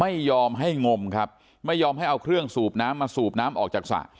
ไม่ยอมให้งมครับไม่ยอมให้เอาเครื่องสูบน้ำมาสูบน้ำออกจากสระ